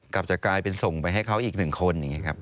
กลับจะกลายเป็นส่งไปให้เขาอีกหนึ่งคน